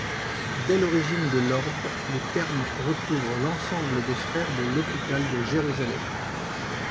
Dès l'origine de l'Ordre le terme recouvre l'ensemble des frères de l'Hôpital de Jérusalem.